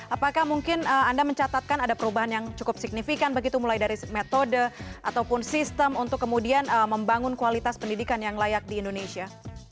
apakah mungkin anda mencatatkan ada perubahan yang cukup signifikan begitu mulai dari metode ataupun sistem untuk kemudian membangun kualitas pendidikan yang layak di indonesia